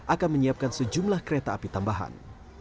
akan menyiapkan sejumlah kereta api tambahan